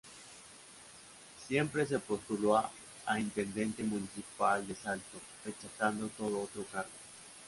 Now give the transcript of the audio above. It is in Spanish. Siempre se postuló a Intendente Municipal de Salto, rechazando todo otro cargo.